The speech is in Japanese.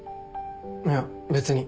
いや別に。